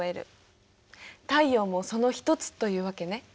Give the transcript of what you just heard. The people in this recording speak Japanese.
太陽もその一つというわけね。